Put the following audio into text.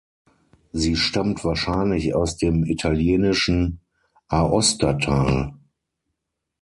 Sie stammt wahrscheinlich aus dem italienischen Aostatal.